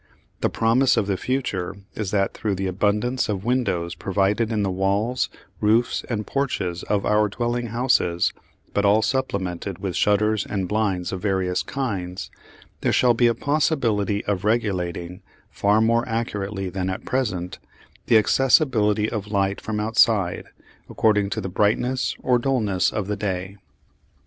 The promise of the future is that, through the abundance of windows provided in the walls, roofs and porches of our dwelling houses but all supplemented with shutters and blinds of various kinds there shall be a possibility of regulating, far more accurately than at present, the accessibility of light from outside according to the brightness or dulness of the day.